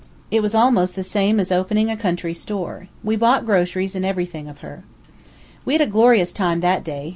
It was almost the same as opening a country store. We bought groceries and everything of her. We had a glorious time that day.